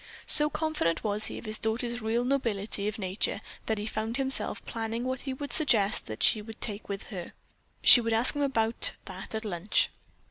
So confident was he of his daughter's real nobility of nature that he found himself planning what he would suggest that she take with her. She would ask him about that at lunch.